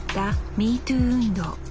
ＭｅＴｏｏ運動。